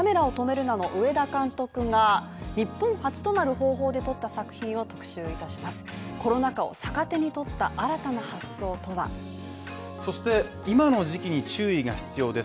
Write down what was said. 「カメラを止めるな！」の上田監督が日本初となる方法で撮った作品を特集いたしますコロナ禍を逆手に取った新たな発想とはそして、今の時期に注意が必要です。